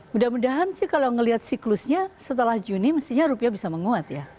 mudah mudahan sih kalau melihat siklusnya setelah juni mestinya rupiah bisa menguat ya